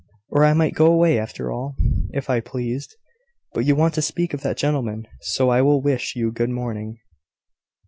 Or I might go away, after all, if I pleased. But you want to speak to that gentleman; so I will wish you good morning."